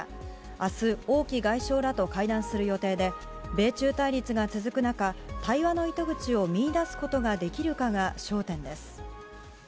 明日、王毅外相らと会談する予定で米中対立が続く中、対話の糸口を見いだすことができるかが焦点です。